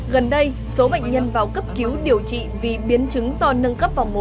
gần đây số bệnh nhân vào cấp cứu điều trị vì biến chứng do nâng cấp vòng một